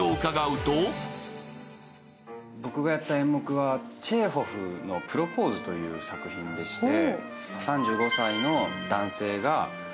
僕がやった演目はチェーホフの「プロポーズ」という作品でして。